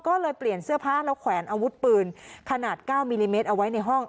ก็เลยเปลี่ยนเสื้อผ้าแล้วแขวนอาวุธปืนขนาด๙มิลลิเมตรเอาไว้ในห้อง